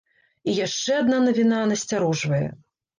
І яшчэ адна навіна насцярожвае.